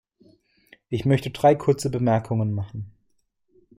Ich möchte drei kurze Bemerkungen machen.